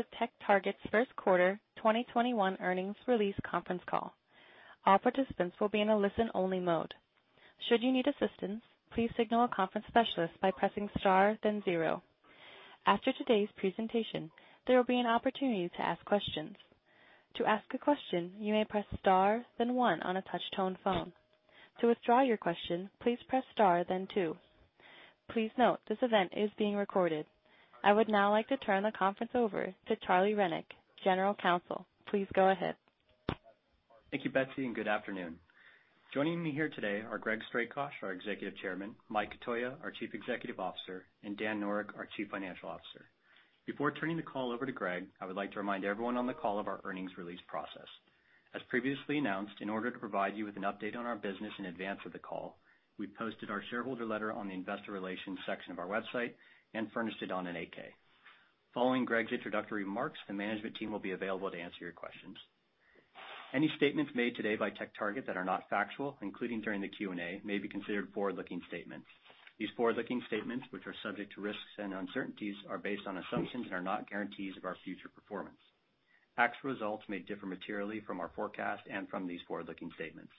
The TechTarget's First Quarter 2021 Earnings Release Conference Call. Our participants would be in a listen only mode. Should you need assistance, please signal our conference specialist by pressing star then zero. After today's presentation, there would be opportunity to ask questions. To ask a question, you may press star then one on a touch tone phone. To withdraw your question, please press star then two. I would now like to turn the conference over to Charlie Rennick, General Counsel. Please go ahead. Thank you, Betsy, and good afternoon. Joining me here today are Greg Strakosch, our Executive Chairman, Mike Cotoia, our Chief Executive Officer, and Daniel Noreck, our Chief Financial Officer. Before turning the call over to Greg, I would like to remind everyone on the call of our earnings release process. As previously announced, in order to provide you with an update on our business in advance of the call, we posted our shareholder letter on the investor relations section of our website and furnished it on an 8-K. Following Greg's introductory remarks, the management team will be available to answer your questions. Any statements made today by TechTarget that are not factual, including during the Q&A, may be considered forward-looking statements. These forward-looking statements, which are subject to risks and uncertainties, are based on assumptions and are not guarantees of our future performance. Actual results may differ materially from our forecast and from these forward-looking statements.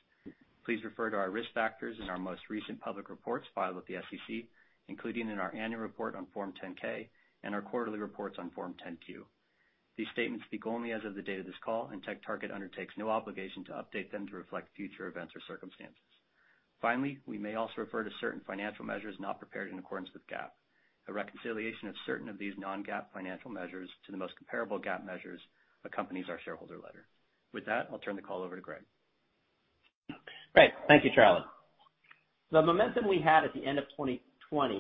Please refer to our risk factors in our most recent public reports filed with the SEC, including in our annual report on Form 10-K and our quarterly reports on Form 10-Q. These statements speak only as of the date of this call, and TechTarget undertakes no obligation to update them to reflect future events or circumstances. Finally, we may also refer to certain financial measures not prepared in accordance with GAAP. A reconciliation of certain of these non-GAAP financial measures to the most comparable GAAP measures accompanies our shareholder letter. With that, I'll turn the call over to Greg. Great. Thank you, Charles. The momentum we had at the end of 2020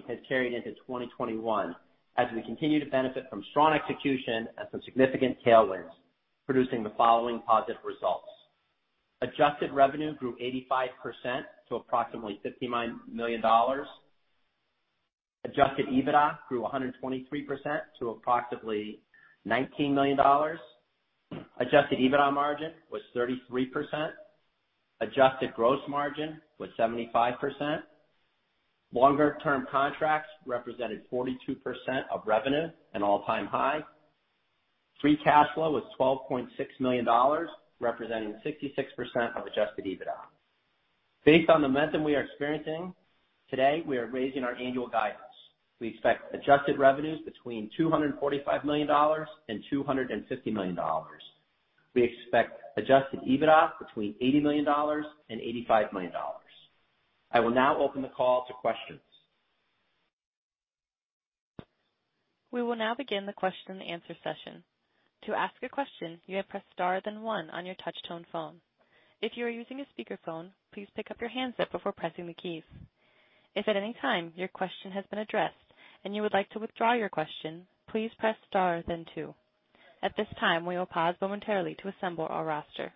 has carried into 2021, as we continue to benefit from strong execution and some significant tailwinds, producing the following positive results. Adjusted revenue grew 85% to approximately $59 million. Adjusted EBITDA grew 123% to approximately $19 million. Adjusted EBITDA margin was 33%. Adjusted gross margin was 75%. Longer-term contracts represented 42% of revenue, an all-time high. Free Cash Flow was $12.6 million, representing 66% of Adjusted EBITDA. Based on the momentum we are experiencing, today, we are raising our annual guidance. We expect Adjusted revenues between $245 million and $250 million. We expect Adjusted EBITDA between $80 million and $85 million. I will now open the call to questions. We will now begin the question and answer session. To ask a question, you may press star then one on your touch tone phone. If you are using a speaker phone, please pick up your headset before pressing the keys. If at any time your question has been addressed and you would like to withdraw your question, please press star then two. At this time we will pause momentarily to assemble our roster.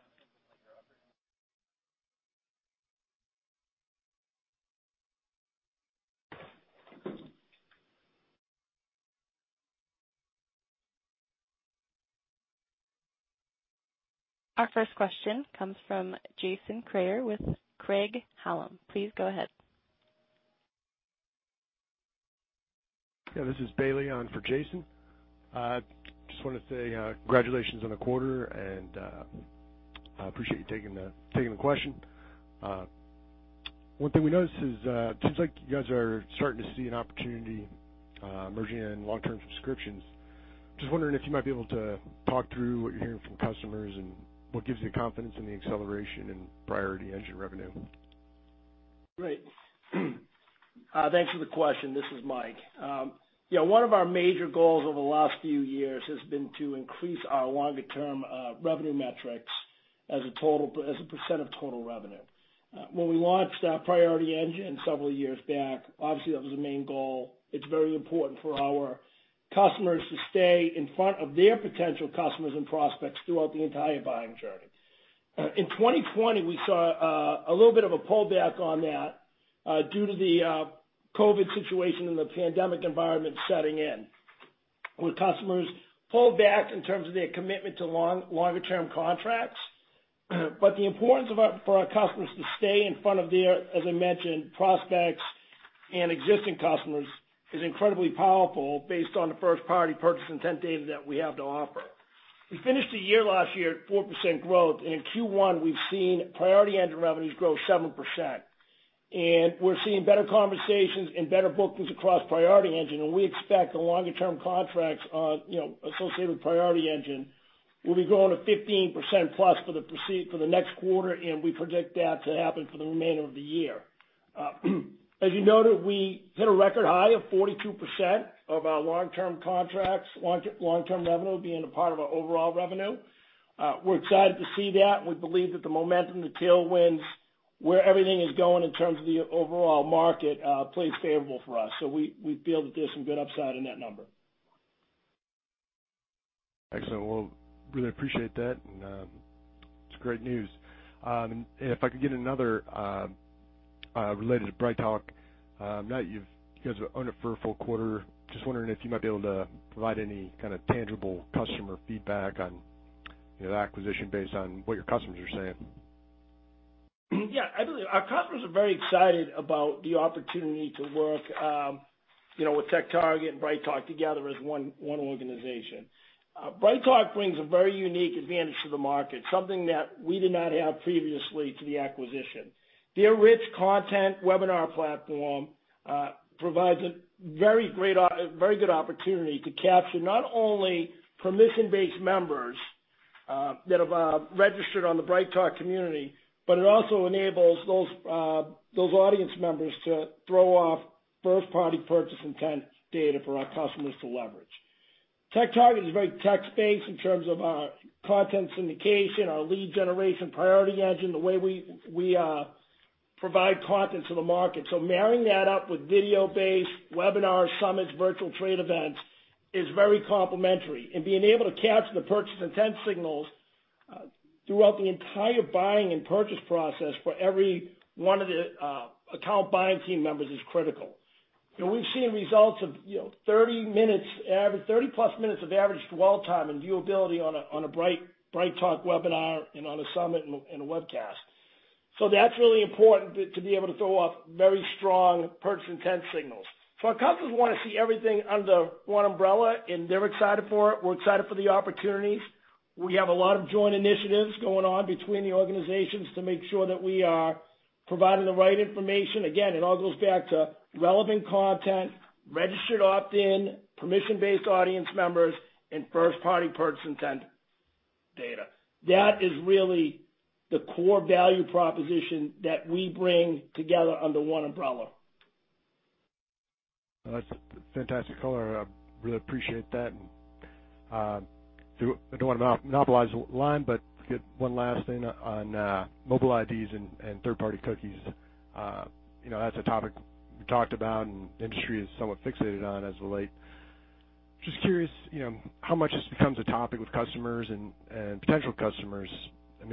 Our first question comes from Jason Kreyer with Craig-Hallum. Please go ahead. Yeah, this is Bailey on for Jason. Just wanted to say congratulations on the quarter, and I appreciate you taking the question. One thing we noticed is, seems like you guys are starting to see an opportunity emerging in long-term subscriptions. Just wondering if you might be able to talk through what you're hearing from customers and what gives you confidence in the acceleration in Priority Engine revenue. Great. Thanks for the question. This is Mike. Yeah, one of our major goals over the last few years has been to increase our longer-term revenue metrics as a percentage total revenue. When we launched Priority Engine several years back, obviously that was the main goal. It's very important for our customers to stay in front of their potential customers and prospects throughout the entire buying journey. In 2020, we saw a little bit of a pullback on that due to the COVID situation and the pandemic environment setting in, where customers pulled back in terms of their commitment to longer-term contracts. The importance for our customers to stay in front of their, as I mentioned, prospects and existing customers is incredibly powerful based on the first-party purchase intent data that we have to offer. We finished the year last year at 4% growth. In Q1, we've seen Priority Engine revenues grow 7%. We're seeing better conversations and better bookings across Priority Engine. We expect the longer-term contracts associated with Priority Engine will be growing to 15%+ for the next quarter. We predict that to happen for the remainder of the year. As you noted, we hit a record high of 42% of our long-term contracts, long-term revenue being a part of our overall revenue. We're excited to see that. We believe that the momentum, the tailwinds, where everything is going in terms of the overall market, plays favorable for us. We feel that there's some good upside in that number. Excellent. Well, really appreciate that, and it's great news. If I could get another related to BrightTALK? Now that you guys have owned it for a full quarter, just wondering if you might be able to provide any kind of tangible customer feedback on that acquisition based on what your customers are saying. Yeah, I believe our customers are very excited about the opportunity to work with TechTarget and BrightTALK together as one organization. BrightTALK brings a very unique advantage to the market, something that we did not have previously to the acquisition. Their rich content webinar platform provides a very good opportunity to capture not only permission-based members that have registered on the BrightTALK community but it also enables those audience members to throw off first-party purchase intent data for our customers to leverage. TechTarget is very tech-based in terms of our content syndication, our lead generation Priority Engine, the way we provide content to the market. Marrying that up with video-based webinars, summits, virtual trade events, is very complimentary. Being able to capture the purchase intent signals throughout the entire buying and purchase process for every one of the account buying team members is critical. We've seen results of 30+ minutes of averaged dwell time and viewability on a BrightTALK webinar and on a summit and a webcast. That's really important to be able to throw off very strong purchase intent signals. Our customers want to see everything under one umbrella and they're excited for it. We're excited for the opportunities. We have a lot of joint initiatives going on between the organizations to make sure that we are providing the right information. Again, it all goes back to relevant content, registered opt-in, permission-based audience members, and first-party purchase intent data. That is really the core value proposition that we bring together under one umbrella. That's a fantastic color. I really appreciate that. I don't want to monopolize the line but one last thing on mobile IDs and third-party cookies. That's a topic we talked about and the industry is somewhat fixated on as of late. Just curious, how much this becomes a topic with customers and potential customers?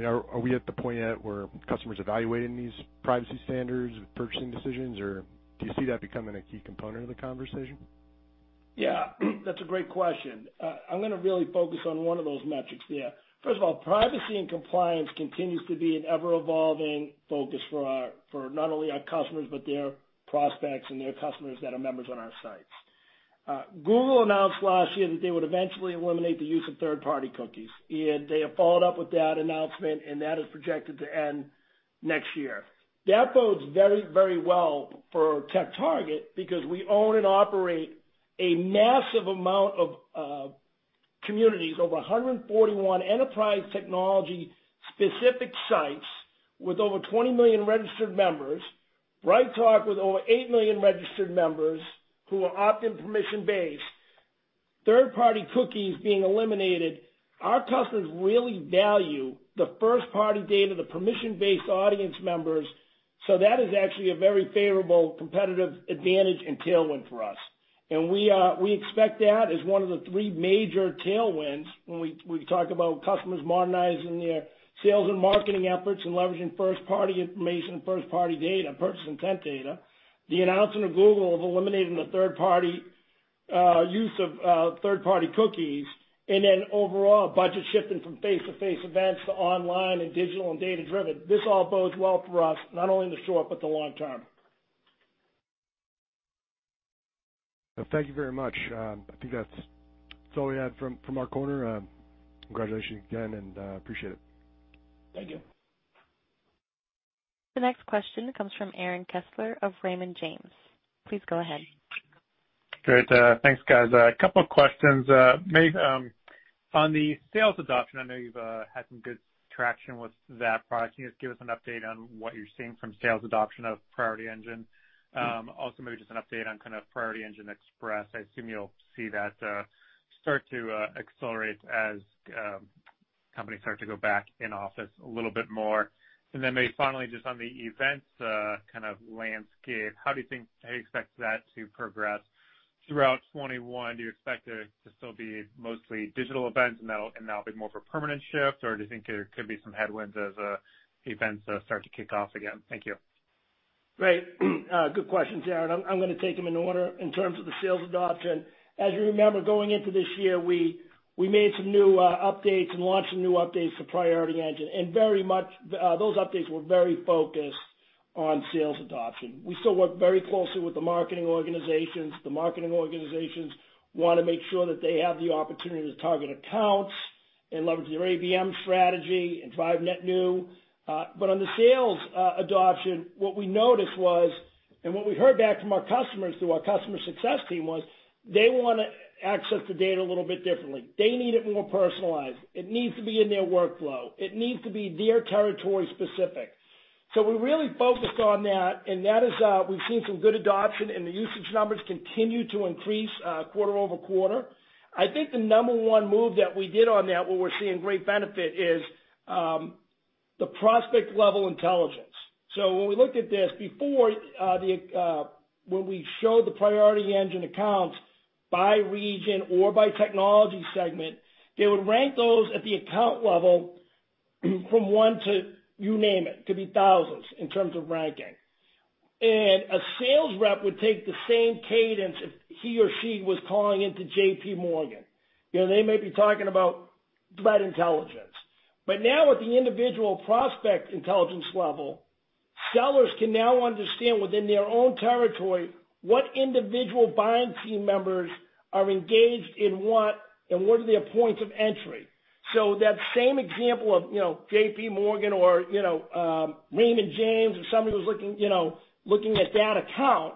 Are we at the point yet where customers are evaluating these privacy standards with purchasing decisions, or do you see that becoming a key component of the conversation? Yeah. That's a great question. I'm going to really focus on one of those metrics there. First of all, privacy and compliance continues to be an ever-evolving focus for not only our customers but their prospects and their customers that are members on our sites. Google announced last year that they would eventually eliminate the use of third-party cookies, and they have followed up with that announcement, and that is projected to end next year. That bodes very well for TechTarget because we own and operate a massive amount of communities, over 141 enterprise technology-specific sites with over 20 million registered members. BrightTALK, with over 8 million registered members who are opt-in permission-based. Third-party cookies being eliminated, our customers really value the first-party data, the permission-based audience members. That is actually a very favorable competitive advantage and tailwind for us. We expect that as one of the three major tailwinds when we talk about customers modernizing their sales and marketing efforts and leveraging first-party information and first-party data, purchase intent data. The announcement of Google of eliminating the use of third-party cookies, and then overall budget shifting from face-to-face events to online and digital and data-driven. This all bodes well for us, not only in the short but the long term. Thank you very much. I think that's all we had from our corner. Congratulations again, and appreciate it. Thank you. The next question comes from Aaron Kessler of Raymond James. Please go ahead. Great. Thanks, guys. A couple of questions. On the sales adoption, I know you've had some good traction with that product. Can you just give us an update on what you're seeing from sales adoption of Priority Engine? Maybe just an update on kind of Priority Engine Express. I assume you'll see that start to accelerate as companies start to go back in office a little bit more. Maybe finally, just on the events kind of landscape, how do you expect that to progress throughout 2021? Do you expect it to still be mostly digital events and that'll be more of a permanent shift or do you think there could be some headwinds as events start to kick off again? Thank you. Great. Good questions, Aaron. I'm going to take them in order. In terms of the sales adoption, as you remember, going into this year, we made some new updates and launched some new updates to Priority Engine, and those updates were very focused on sales adoption. We still work very closely with the marketing organizations. The marketing organizations want to make sure that they have the opportunity to target accounts and leverage their ABM strategy and drive net new. On the sales adoption, what we noticed was, and what we heard back from our customers through our customer success team was, they want to access the data a little bit differently. They need it more personalized. It needs to be in their workflow. It needs to be their territory specific. We really focused on that, and we've seen some good adoption and the usage numbers continue to increase quarter-over-quarter. I think the number one move that we did on that, where we're seeing great benefit is, the prospect level intelligence. When we looked at this before, when we showed the Priority Engine accounts by region or by technology segment, they would rank those at the account level from one to you name it. It could be thousands in terms of ranking. A sales rep would take the same cadence if he or she was calling into JPMorgan. They may be talking about threat intelligence. Now with the individual prospect intelligence level, sellers can now understand within their own territory what individual buying team members are engaged in what, and what are their points of entry. That same example of JPMorgan or Raymond James or somebody who's looking at that account,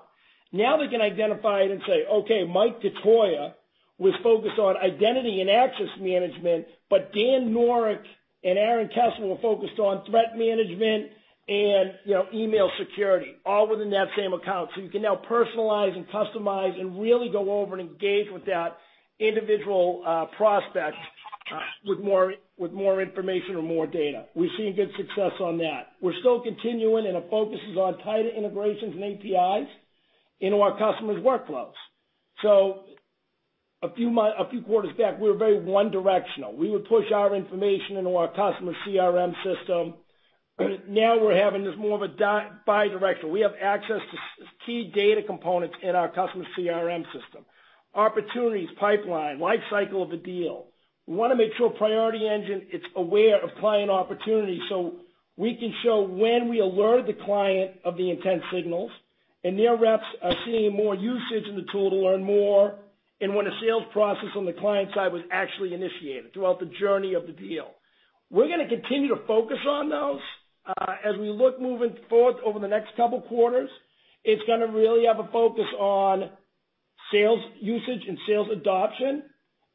now they can identify it and say, "Okay, Mike Cotoia was focused on identity and access management, but Daniel Noreck and Aaron Kessler were focused on threat management and email security," all within that same account. You can now personalize and customize and really go over and engage with that individual prospect with more information or more data. We're seeing good success on that. We're still continuing, and a focus is on tighter integrations and APIs into our customers' workflows. A few quarters back, we were very one-directional. We would push our information into our customers' CRM system. Now we're having this more of a bidirectional. We have access to key data components in our customers' CRM system. Opportunities, pipeline, life cycle of the deal. We want to make sure Priority Engine, it's aware of client opportunities, so we can show when we alert the client of the intent signals, and their reps are seeing more usage in the tool to learn more, and when a sales process on the client side was actually initiated throughout the journey of the deal. We're going to continue to focus on those. As we look moving forth over the next couple quarters, it's going to really have a focus on sales usage and sales adoption,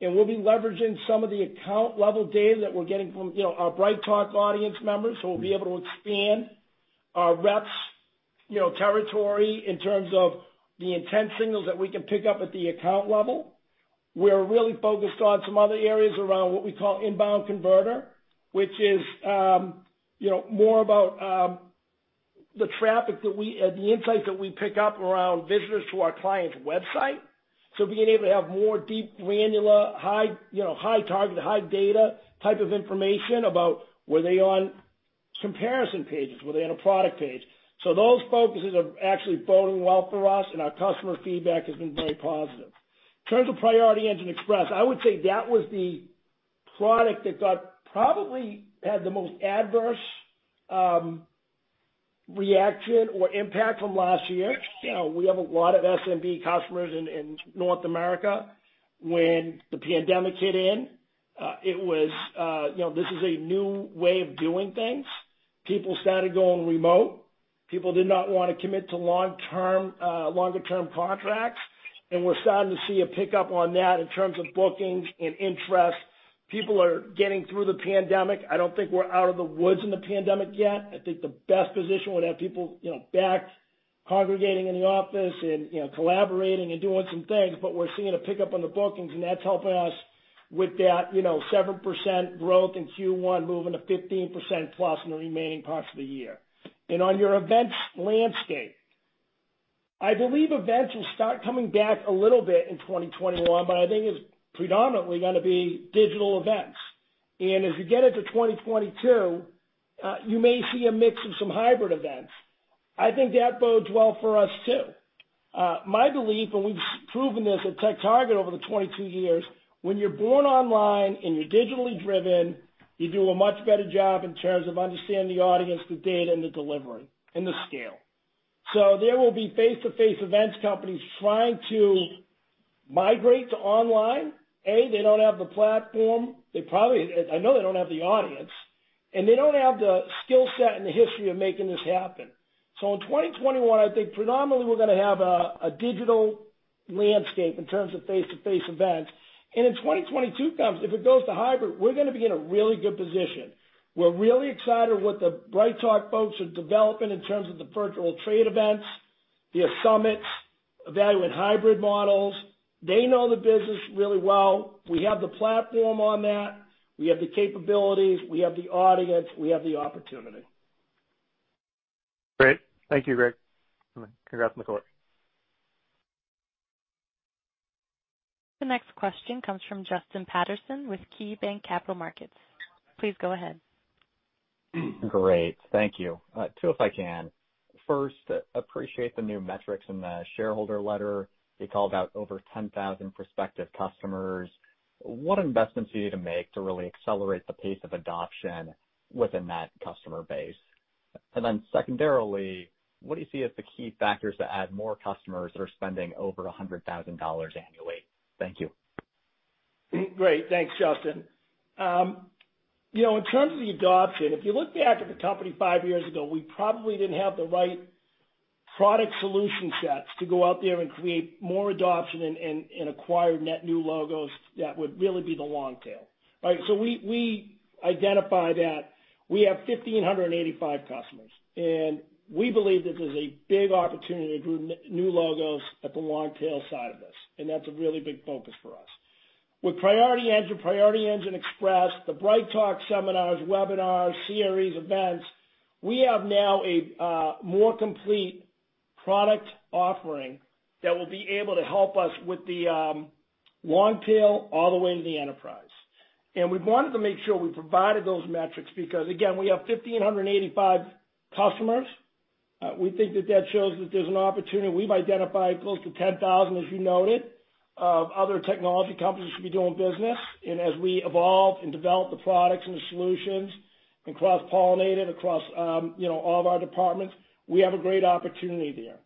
and we'll be leveraging some of the account-level data that we're getting from our BrightTALK audience members, so we'll be able to expand our reps' territory in terms of the intent signals that we can pick up at the account level. We're really focused on some other areas around what we call Inbound Converter, which is more about the insights that we pick up around visitors to our client's website. Being able to have more deep granular, high target, high data type of information about were they on comparison pages? Were they on a product page? Those focuses are actually boding well for us, and our customer feedback has been very positive. In terms of Priority Engine Express, I would say that was the product that probably had the most adverse reaction or impact from last year. We have a lot of SMB customers in North America. When the pandemic hit in, this is a new way of doing things. People started going remote. People did not want to commit to longer-term contracts. We're starting to see a pickup on that in terms of bookings and interest. People are getting through the pandemic. I don't think we're out of the woods in the pandemic yet. I think the best position would have people back congregating in the office and collaborating and doing some things. We're seeing a pickup on the bookings and that's helping us with that 7% growth in Q1, moving to 15%+ in the remaining parts of the year. On your events landscape, I believe events will start coming back a little bit in 2021, but I think it's predominantly going to be digital events. As you get into 2022, you may see a mix of some hybrid events. I think that bodes well for us, too. My belief, and we've proven this at TechTarget over the 22 years, when you're born online and you're digitally driven, you do a much better job in terms of understanding the audience, the data, and the delivery, and the scale. There will be face-to-face events companies trying to migrate to online. A, they don't have the platform. I know they don't have the audience, and they don't have the skill set and the history of making this happen. In 2021, I think predominantly we're going to have a digital landscape in terms of face-to-face events. In 2022 comes, if it goes to hybrid, we're going to be in a really good position. We're really excited what the BrightTALK folks are developing in terms of the virtual trade events, via summits, evaluating hybrid models. They know the business really well. We have the platform on that. We have the capabilities, we have the audience, we have the opportunity. Great. Thank you, Greg. Congrats on the quarter. The next question comes from Justin Patterson with KeyBanc Capital Markets. Please go ahead. Great. Thank you. Two, if I can. First, appreciate the new metrics in the shareholder letter. You called out over 10,000 prospective customers. What investments do you need to make to really accelerate the pace of adoption within that customer base? Secondarily, what do you see as the key factors to add more customers that are spending over $100,000 annually? Thank you. Great. Thanks, Justin. In terms of the adoption, if you look back at the company five years ago, we probably didn't have the right product solution sets to go out there and create more adoption and acquire net new logos that would really be the long tail. We identify that we have 1,585 customers, and we believe this is a big opportunity to grow new logos at the long tail side of this, and that's a really big focus for us. With Priority Engine, Priority Engine Express, the BrightTALK seminars, webinars, series, events, we have now a more complete product offering that will be able to help us with the long tail all the way into the enterprise. We wanted to make sure we provided those metrics because, again, we have 1,585 customers. We think that that shows that there's an opportunity. We've identified close to 10,000, as you noted, of other technology companies we should be doing business. As we evolve and develop the products and the solutions and cross-pollinate it across all of our departments, we have a great opportunity there.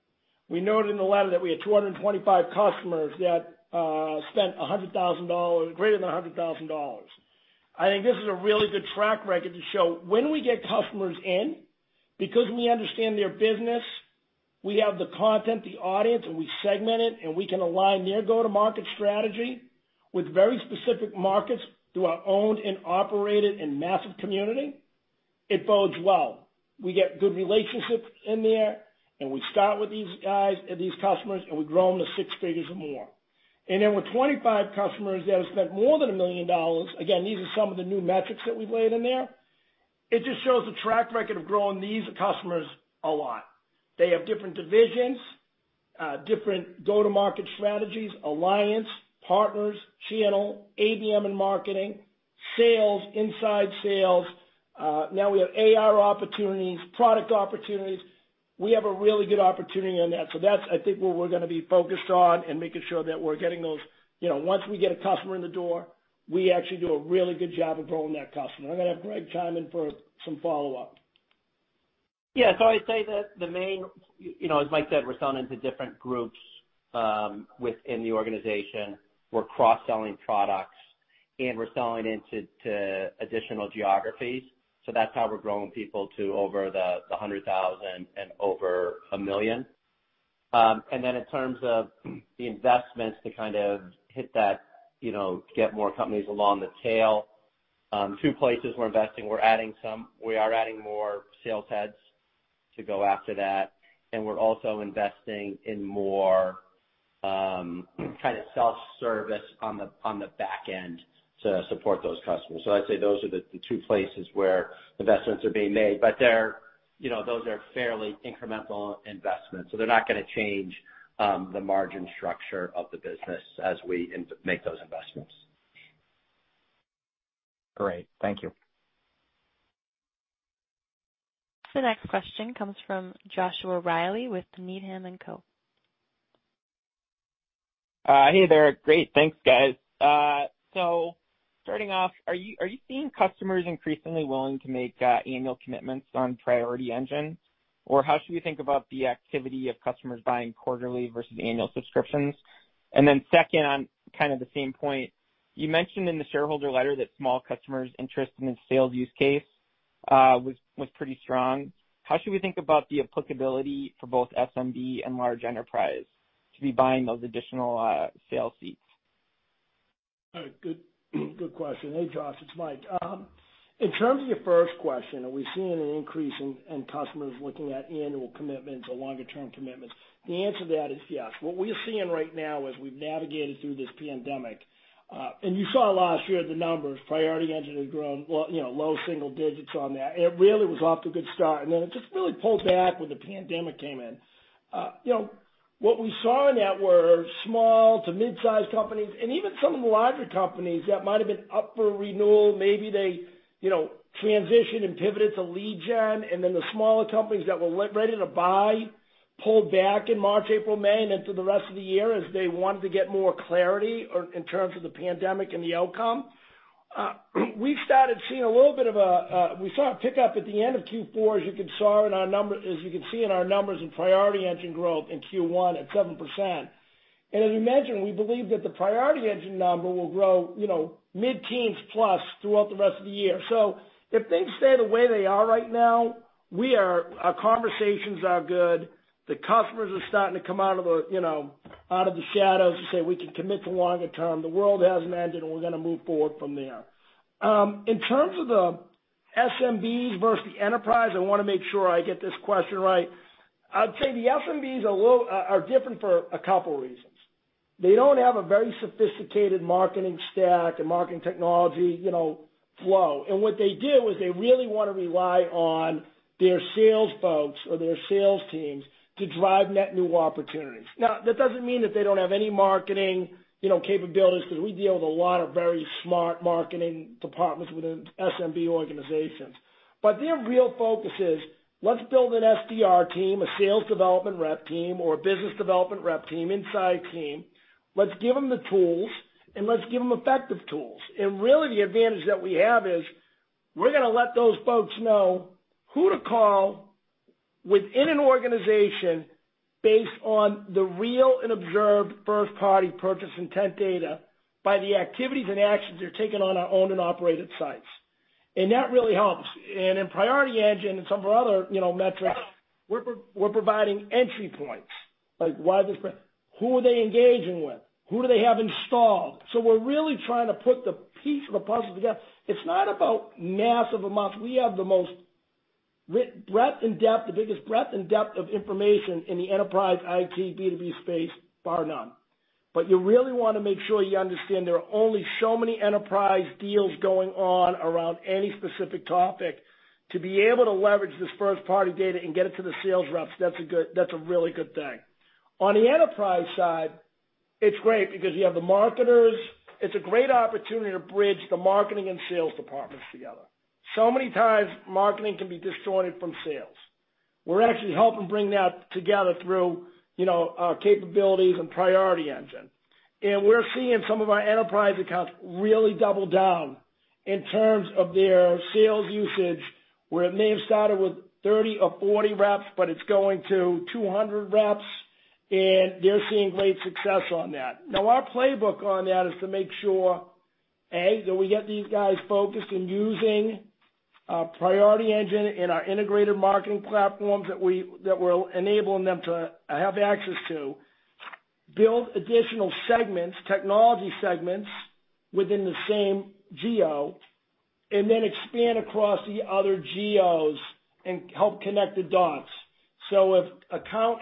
We noted in the letter that we had 225 customers that spent greater than $100,000. I think this is a really good track record to show when we get customers in, because we understand their business, we have the content, the audience, and we segment it, and we can align their go-to-market strategy with very specific markets through our owned, and operated, and massive community. It bodes well. We get good relationships in there, and we start with these guys and these customers, and we grow them to six figures or more. With 25 customers that have spent more than $1 million, again, these are some of the new metrics that we've laid in there. It just shows the track record of growing these customers a lot. They have different divisions, different go-to-market strategies, alliance, partners, channel, ABM and marketing, sales, inside sales. Now we have AR opportunities, product opportunities. We have a really good opportunity on that. That's, I think, what we're going to be focused on and making sure that we're getting those. Once we get a customer in the door, we actually do a really good job of growing that customer. I'm going to have Greg chime in for some follow-up. I'd say that the main, it's like that we're selling into different groups within the organization. We're cross-selling products, and we're selling into additional geographies. That's how we're growing people to over the 100,000 and over 1 million. In terms of the investments to hit that, get more companies along the tail. Two places we're investing, we are adding more sales heads to go after that and we're also investing in more self-service on the back end to support those customers. I'd say those are the two places where investments are being made but those are fairly incremental investments, so they're not going to change the margin structure of the business as we make those investments. Great. Thank you. The next question comes from Joshua Reilly with Needham & Company. Hey there. Great. Thanks, guys. Starting off, are you seeing customers increasingly willing to make annual commitments on Priority Engine? How should we think about the activity of customers buying quarterly versus annual subscriptions? Second, on kind of the same point, you mentioned in the shareholder letter that small customers' interest in the sales use case was pretty strong. How should we think about the applicability for both SMB and large enterprise to be buying those additional sales seats? Good question. Hey, Joshua, it's Mike. In terms of your first question, are we seeing an increase in customers looking at annual commitments or longer-term commitments? The answer to that is yes. What we are seeing right now as we've navigated through this pandemic, and you saw last year the numbers, Priority Engine has grown low single digits on that. It really was off to a good start, then it just really pulled back when the pandemic came in. What we saw in that were small to mid-size companies and even some of the larger companies that might have been up for renewal. Maybe they transitioned and pivoted to lead gen. The smaller companies that were ready to buy pulled back in March, April, May, and into the rest of the year as they wanted to get more clarity in terms of the pandemic and the outcome. We started seeing a little bit of a pickup at the end of Q4, as you can see in our numbers in Priority Engine growth in Q1 at 7%. As we mentioned, we believe that the Priority Engine number will grow mid-teens plus throughout the rest of the year. If things stay the way they are right now, our conversations are good. The customers are starting to come out of the shadows and say, "We can commit to longer term. The world hasn't ended, and we're going to move forward from there." In terms of the SMBs versus the enterprise, I want to make sure I get this question right. I'd say the SMBs are different for a couple reasons. They don't have a very sophisticated marketing stack and marketing technology flow. What they do is they really want to rely on their sales folks or their sales teams to drive net new opportunities. Now, that doesn't mean that they don't have any marketing capabilities, because we deal with a lot of very smart marketing departments within SMB organizations. Their real focus is, let's build an SDR team, a sales development rep team, or a business development rep team, inside team. Let's give them the tools, and let's give them effective tools. Really, the advantage that we have is we're going to let those folks know who to call within an organization based on the real and observed first-party purchase intent data by the activities and actions they're taking on our owned and operated sites. That really helps. In Priority Engine and some of our other metrics, we're providing entry points. Like, who are they engaging with? Who do they have installed? We're really trying to put the piece of the puzzle together. It's not about [mass of a month]. We have the biggest breadth and depth of information in the enterprise IT B2B space, bar none. You really want to make sure you understand there are only so many enterprise deals going on around any specific topic. To be able to leverage this first-party data and get it to the sales reps, that's a really good thing. On the enterprise side, it's great because you have the marketers. It's a great opportunity to bridge the marketing and sales departments together. Many times, marketing can be disjointed from sales. We're actually helping bring that together through our capabilities and Priority Engine. We're seeing some of our enterprise accounts really double down in terms of their sales usage, where it may have started with 30 or 40 reps, but it's going to 200 reps, and they're seeing great success on that. Now, our playbook on that is to make sure, A, that we get these guys focused in using our Priority Engine and our integrated marketing platforms that we're enabling them to have access to, build additional segments, technology segments, within the same geo, and then expand across the other geos and help connect the dots. If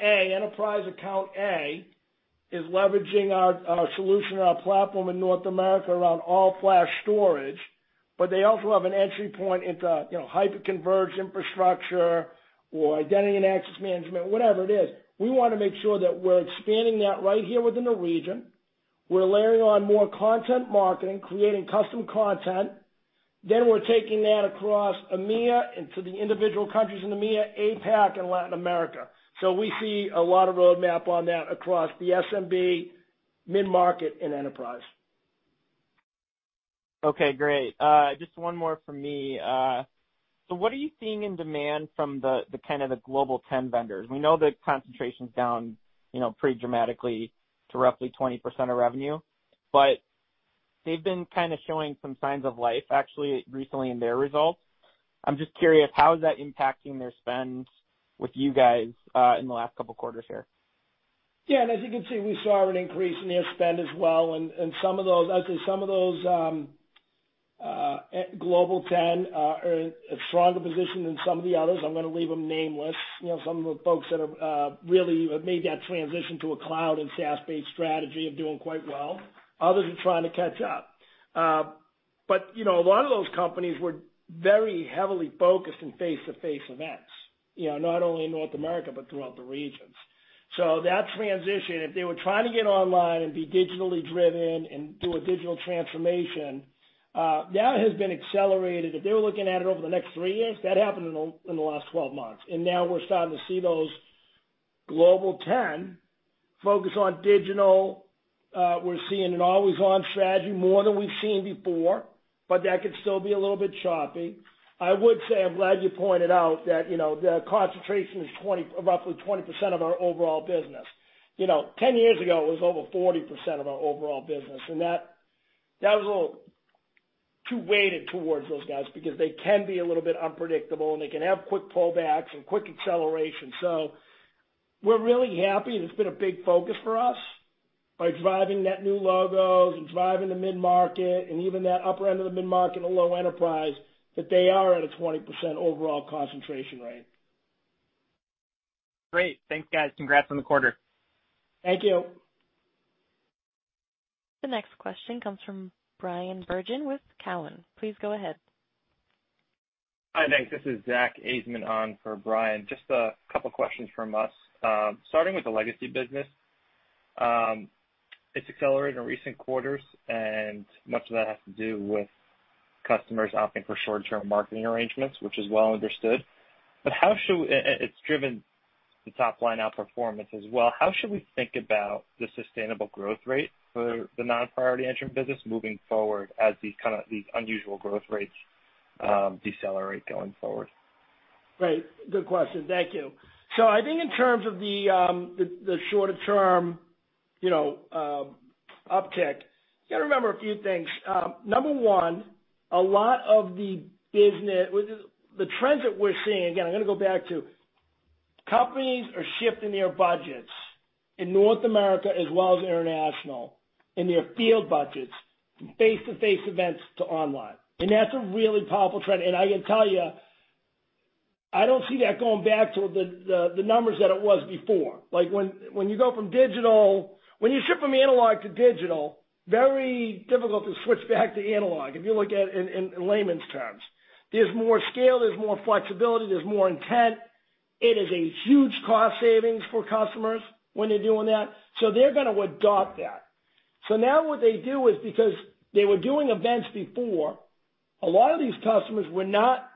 enterprise account A is leveraging our solution and our platform in North America around all-flash storage, but they also have an entry point into hyper-converged infrastructure or identity and access management, whatever it is, we want to make sure that we're expanding that right here within the region. We're layering on more content marketing, creating custom content. We're taking that across EMEA and to the individual countries in EMEA, APAC, and Latin America. We see a lot of roadmap on that across the SMB, mid-market, and enterprise. Okay, great. Just one more from me. What are you seeing in demand from the Global 10 vendors? We know that concentration's down pretty dramatically to roughly 20% of revenue but they've been showing some signs of life actually recently in their results. I'm just curious, how is that impacting their spends with you guys, in the last couple quarters here? As you can see, we saw an increase in their spend as well. Some of those Global 10 are in a stronger position than some of the others. I'm going to leave them nameless. Some of the folks that have really made that transition to a cloud and SaaS-based strategy are doing quite well. Others are trying to catch up. A lot of those companies were very heavily focused in face-to-face events, not only in North America, but throughout the regions. That transition, if they were trying to get online and be digitally driven and do a digital transformation, that has been accelerated. If they were looking at it over the next three years, that happened in the last 12 months. Now we're starting to see those Global 10 focus on digital. We're seeing an always-on strategy more than we've seen before, but that could still be a little bit choppy. I would say I'm glad you pointed out that the concentration is roughly 20% of our overall business. 10 years ago, it was over 40% of our overall business, and that was a little too weighted towards those guys because they can be a little bit unpredictable, and they can have quick pullbacks and quick acceleration. We're really happy, and it's been a big focus for us by driving net new logos and driving the mid-market and even that upper end of the mid-market and low enterprise, that they are at a 20% overall concentration rate. Great. Thanks, guys. Congrats on the quarter. Thank you. The next question comes from Bryan Bergin with Cowen. Please go ahead. Hi, thanks. This is Zack Ajzenman on for Bryan Bergin. Just a couple questions from us. Starting with the legacy business. It's accelerated in recent quarters, and much of that has to do with customers opting for short-term marketing arrangements which is well understood. It's driven the top-line outperformance as well. How should we think about the sustainable growth rate for the non-Priority Engine business moving forward as these unusual growth rates decelerate going forward? Right. Good question. Thank you. I think in terms of the shorter term uptick, you got to remember a few things. Number one, the trends that we're seeing, again, I'm gonna go back to companies are shifting their budgets in North America as well as international, and their field budgets from face-to-face events to online. That's a really powerful trend. I can tell you, I don't see that going back to the numbers that it was before. When you shift from analog to digital, very difficult to switch back to analog, if you look at it in layman's terms. There's more scale, there's more flexibility, there's more intent. It is a huge cost savings for customers when they're doing that, so they're going to adopt that. Now what they do is because they were doing events before, a lot of these customers were not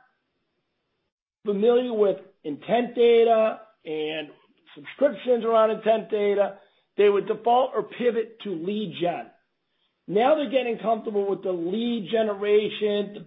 familiar with intent data and subscriptions around intent data. They would default or pivot to lead gen. Now they're getting comfortable with the lead generation, the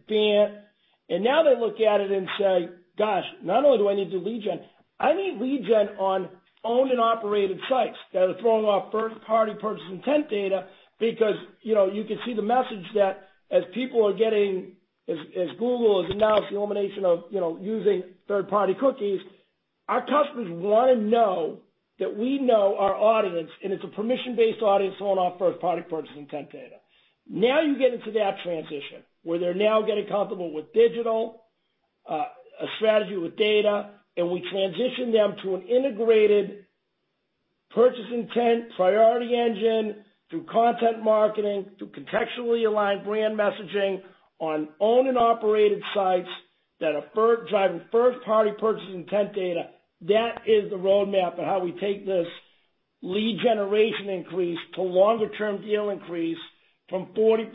bend. Now they look at it and say, "Gosh, not only do I need the lead gen, I need lead gen on owned and operated sites that are throwing off first-party purchase intent data." You could see the message that as people are getting, as Google has announced the elimination of using third-party cookies, our customers want to know that we know our audience, and it's a permission-based audience throwing off first-party purchase intent data. Now you get into that transition, where they're now getting comfortable with digital, a strategy with data, and we transition them to an integrated purchase intent Priority Engine through content marketing, through contextually aligned brand messaging on owned and operated sites that are driving first-party purchase intent data. That is the roadmap of how we take this lead generation increase to longer-term deal increase from 40%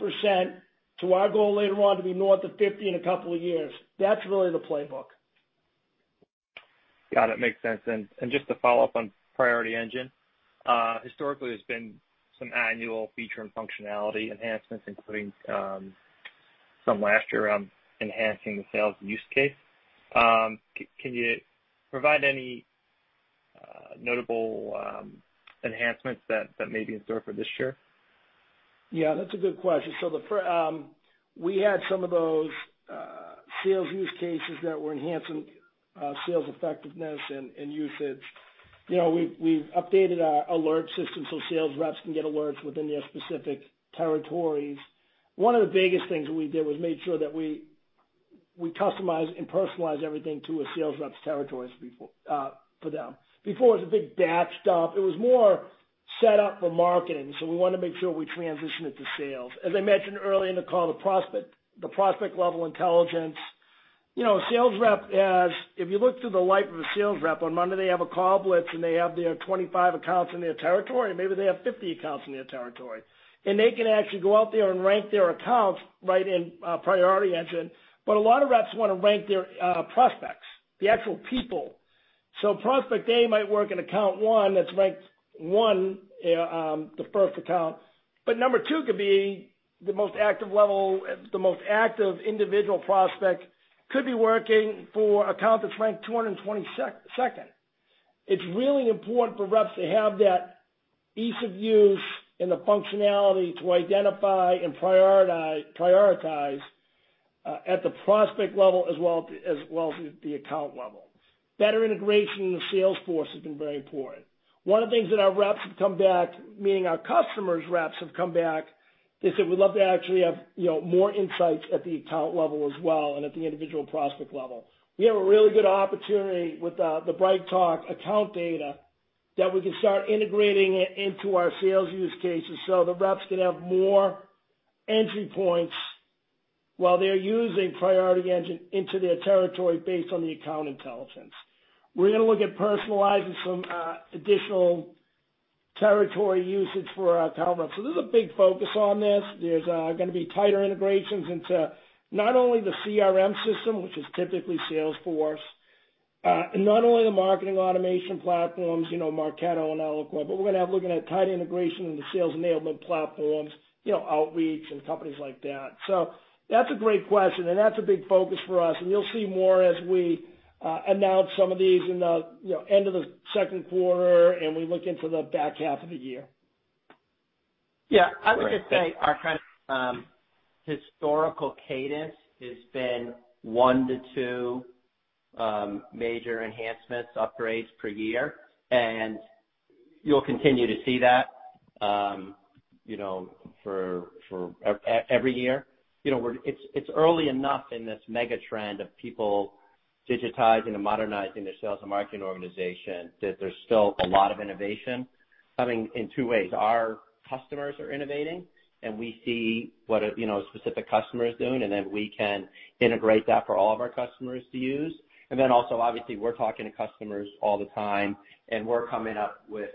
to our goal later on to be north of 50 in a couple of years. That's really the playbook. Got it. Makes sense. Just to follow up on Priority Engine. Historically, there's been some annual feature and functionality enhancements, including some last year around enhancing the sales use case. Can you provide any notable enhancements that may be in store for this year? Yeah, that's a good question. We had some of those sales use cases that were enhancing sales effectiveness and usage. We've updated our alert system so sales reps can get alerts within their specific territories. One of the biggest things that we did was made sure that we customize and personalize everything to a sales rep's territories for them. Before, it was a big batch dump. It was more set up for marketing, so we want to make sure we transition it to sales. As I mentioned early in the call, the prospect level intelligence. A sales rep, if you look through the life of a sales rep, on Monday, they have a call blitz and they have their 25 accounts in their territory, maybe they have 50 accounts in their territory. They can actually go out there and rank their accounts right in Priority Engine. A lot of reps want to rank their prospects, the actual people. Prospect A might work in account one that's ranked one, the first account. Number two could be the most active individual prospect, could be working for account that's ranked 222nd. It's really important for reps to have that ease of use and the functionality to identify and prioritize at the prospect level as well as the account level. Better integration in the Salesforce has been very important. One of the things that our reps have come back, meaning our customers' reps have come back, they said, "We'd love to actually have more insights at the account level as well, and at the individual prospect level." We have a really good opportunity with the BrightTALK account data that we can start integrating it into our sales use cases so the reps can have more entry points while they're using Priority Engine into their territory based on the account intelligence. We're gonna look at personalizing some additional territory usage for our account reps. There's a big focus on this. There's gonna be tighter integrations into not only the CRM system, which is typically Salesforce. Not only the marketing automation platforms, Marketo and Eloqua, but we're gonna have looking at tight integration in the sales enablement platforms, Outreach and companies like that. That's a great question, and that's a big focus for us. You'll see more as we announce some of these in the end of the second quarter, and we look into the back half of the year. Yeah. I would just say our kind of historical cadence has been one to two major enhancements, upgrades per year. You'll continue to see that every year. It's early enough in this mega trend of people digitizing and modernizing their sales and marketing organization, that there's still a lot of innovation coming in two ways. Our customers are innovating. We see what a specific customer is doing. Then we can integrate that for all of our customers to use. Also, obviously, we're talking to customers all the time. We're coming up with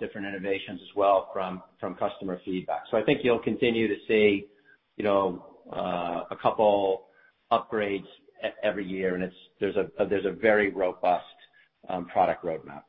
different innovations as well from customer feedback. I think you'll continue to see a couple upgrades every year. There's a very robust product roadmap.